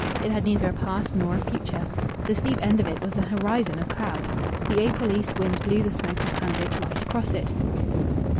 It had neither a past nor a future. The steep end of it was an horizon of cloud. The April east wind blew the smoke of Hanbridge right across it.